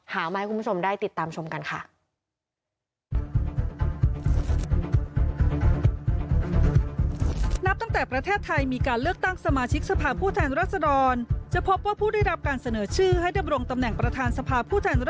มาให้คุณผู้ชมได้ติดตามชมกันค่ะ